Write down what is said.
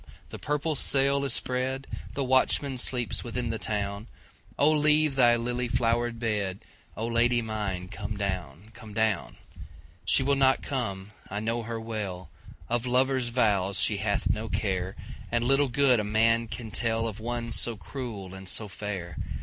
the purple sail is spread, The watchman sleeps within the town,O leave thy lily flowered bed,O Lady mine come down, come down! She will not come, I know her well, Of lover's vows she hath no care, And little good a man can tellOf one so cruel and so fair.